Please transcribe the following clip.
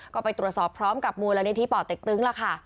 ก็ไปตรวจสอบพร้อมกับมูลนิธิป่อเต็กตึงล่ะค่ะ